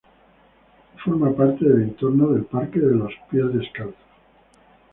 Hace parte del entorno del Parque de los Pies Descalzos.